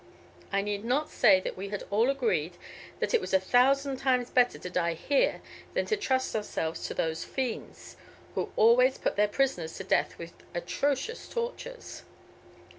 "I need not say that we had all agreed that it was a thousand times better to die here than to trust ourselves to those fiends, who always put their prisoners to death with atrocious tortures.